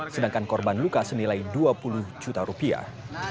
sedangkan korban luka senilai dua puluh juta rupiah